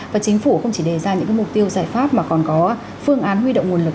và chính phủ không chỉ đề ra những mục tiêu giải pháp mà còn có phương án huy động nguồn lực